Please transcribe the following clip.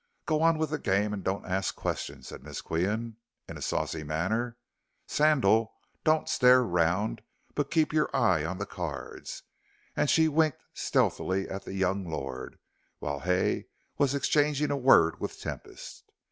"Go on with the game and don't ask questions," said Miss Qian, in a saucy manner. "Sandal, don't stare round, but keep your eye on the cards," and she winked stealthily at the young lord, while Hay was exchanging a word with Tempest.